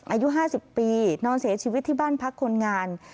อายุ๕๐ปีนอนเสียชีวิตที่บ้านพักคนงาน